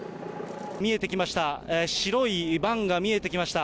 見えてきました、白いバンが見えてきました。